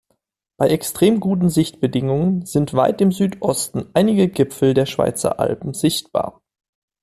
Bei extrem guten Sichtbedingungen sind weit im Südsüdosten einige Gipfel der Schweizer Alpen sichtbar.